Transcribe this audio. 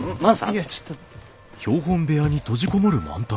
いやちょっと？